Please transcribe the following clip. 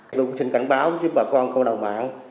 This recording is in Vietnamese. tôi xin cảnh báo cho bà con cộng đồng mạng